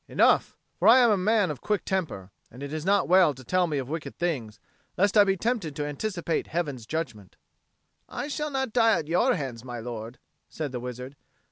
enough! For I am a man of quick temper, and it is not well to tell me of wicked things, lest I be tempted to anticipate Heaven's punishment." "I shall not die at your hands, my lord," said the wizard.